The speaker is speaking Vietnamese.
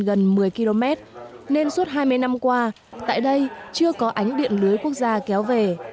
gần một mươi km nên suốt hai mươi năm qua tại đây chưa có ánh điện lưới quốc gia kéo về